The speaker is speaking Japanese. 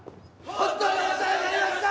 ほんとにお世話になりました！